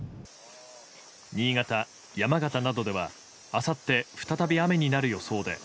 新潟、山形などではあさって、再び雨になる予想で。